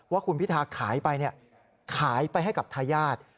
ว่าคุณพิทาขายไปขายไปให้กับทายาท